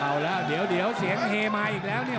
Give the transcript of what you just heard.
เอาแล้วเดี๋ยวเสียงเฮมาอีกแล้วเนี่ย